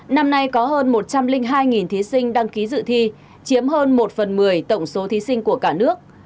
năm nay có hơn một trăm linh hai thí sinh đăng ký dự thi chiếm hơn một phần một mươi tổng số thí sinh của cả nước